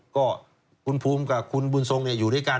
ก็คุณภูมิกับคุณบุญทรงอยู่ด้วยกัน